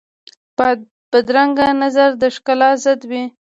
بدرنګه نظر د ښکلا ضد وي